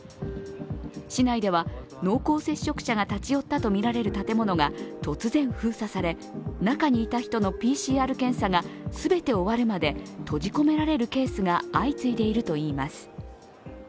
市内では濃厚接触者が立ち寄ったとみられる建物が突然封鎖され中にいた人のＰＣＲ検査が全て終わるまで閉じ込められるケースが相次いでいるといいます。